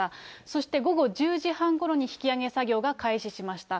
そして午後１０時半ごろに引き揚げ作業が開始しました。